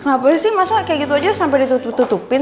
kenapa sih mas kayak gitu aja sampai ditutup tutupkan